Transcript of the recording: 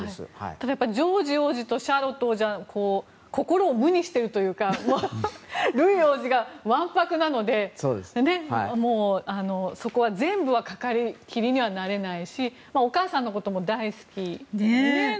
ただジョージ王子とシャーロット王女は心を無にしているというかルイ王子がわんぱくなのでそこは全部はかかりきりにはなれないしお母さんのことも大好きでね。